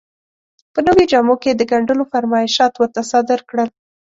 په نویو جامو کې یې د ګنډلو فرمایشات ورته صادر کړل.